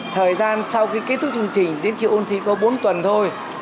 thời gian sau khi kết thúc chương trình đến khi ôn thi có bốn tuần thôi